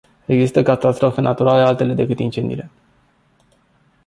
Există catastrofe naturale, altele decât incendiile.